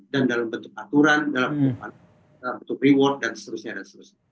dan dalam bentuk aturan dalam bentuk reward dan seterusnya dan seterusnya